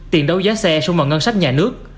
tiền đấu giá xe xung vào ngân sách nhà nước